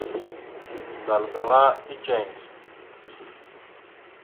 Zal gaŋa eceŋ.